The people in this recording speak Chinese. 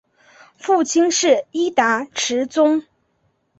父亲是伊达持宗。